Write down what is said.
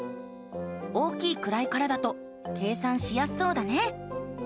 大きい位からだと計算しやすそうだね。